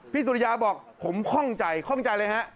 พี่สุริยาบอกผมข้องใจข้องใจอะไรฮะ